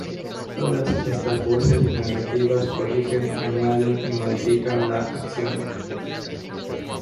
Todas estas voces narrativas corrigen, añaden y modifican la acción.